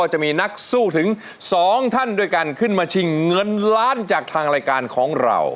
จะมีนักสู้ถึงสองท่านด้วยกันขึ้นมาชิงเงินล้านจากทางรายการของเรา